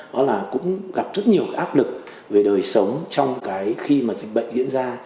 đó là cũng gặp rất nhiều áp lực về đời sống trong cái khi mà dịch bệnh diễn ra